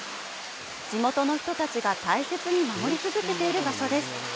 地元の人たちが大切に守り続けている場所です。